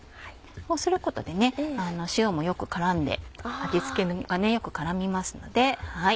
こうすることで塩もよく絡んで味付けがよく絡みますので。